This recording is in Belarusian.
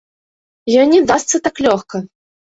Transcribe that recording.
Ён не дасца так лёгка!